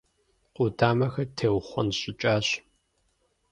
Къудамэхэр теухъуэнщӀыкӀащ.